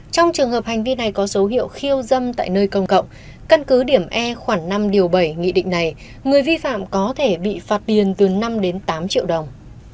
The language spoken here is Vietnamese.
trong trường hợp hành vi này có dấu hiệu khiêu dâm tại nơi công cộng căn cứ điểm e khoảng năm điều bảy nghị định này người vi phạm có thể bị phạt tiền từ năm đến tám triệu đồng